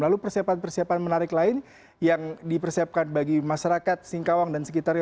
lalu persiapan persiapan menarik lain yang dipersiapkan bagi masyarakat singkawang dan sekitarnya